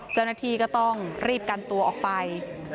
เจ้าหน้าที่ก็ต้องรีบกันตัวออกไป